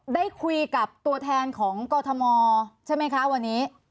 ได้คุยกับตัวแทนของกรทมใช่ไหมคะวันนี้